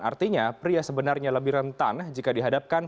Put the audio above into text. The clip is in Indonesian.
dan artinya pria sebenarnya lebih rentan jika dihadapkan